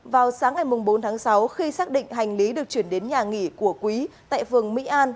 vào sáng ngày bốn tháng sáu khi xác định hành lý được chuyển đến nhà nghỉ của quý tại phường mỹ an